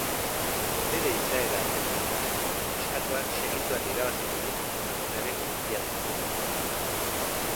Bere izaera dela-eta, neskatoak segituan irabaziko du emakumearen konfiantza.